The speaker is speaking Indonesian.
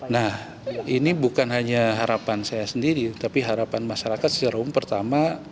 nah ini bukan hanya harapan saya sendiri tapi harapan masyarakat secara umum pertama